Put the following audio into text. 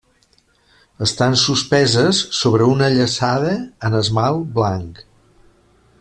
Estan suspeses sobre una llaçada en esmalt blanc.